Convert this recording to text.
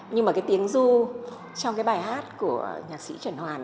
nhưng mà cái tiếng du trong cái bài hát của nhạc sĩ trần hoàn